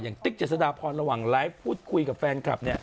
ติ๊กเจษฎาพรระหว่างไลฟ์พูดคุยกับแฟนคลับเนี่ย